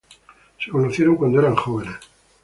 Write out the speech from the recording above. Se conocieron cuando eran jóvenes.